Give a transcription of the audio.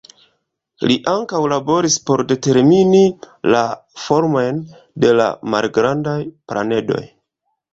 Li ankaŭ laboris por determini la formojn de la malgrandaj planedoj.